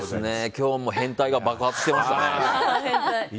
今日も変態が爆発してましたね。